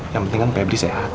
yang penting kan pebli sehat